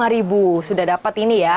enam puluh lima ribu sudah dapat ini ya